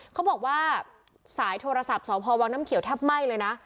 เขาบอกว่าสายโทรศัพท์สพวังน้ำเขียวแทบไหม้เลยนะ